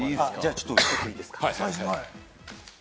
ちょっといいですか。